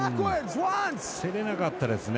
競れなかったですね。